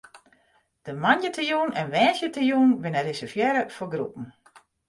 De moandeitejûn en woansdeitejûn binne reservearre foar groepen.